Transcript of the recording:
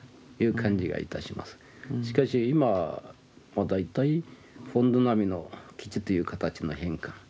しかし今大体本土並みの基地という形の返還